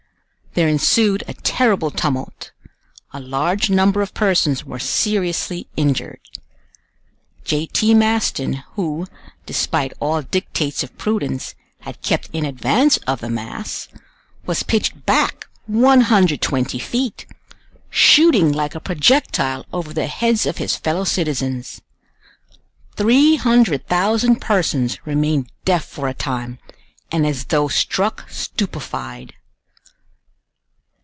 There ensued a terrible tumult; a large number of persons were seriously injured. J. T. Maston, who, despite all dictates of prudence, had kept in advance of the mass, was pitched back 120 feet, shooting like a projectile over the heads of his fellow citizens. Three hundred thousand persons remained deaf for a time, and as though struck stupefied.